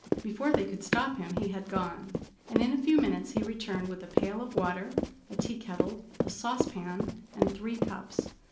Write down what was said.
Before they could stop him, he had gone, and in a few minutes he returned with a pail of water, a tea kettle, a saucepan, and three cups.